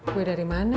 gue dari mana